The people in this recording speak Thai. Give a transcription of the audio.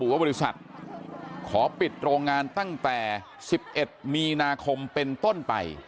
ว่าบริษัทขอปิดโรงงานตั้งแต่๑๑มีนาคมเป็นต้นไป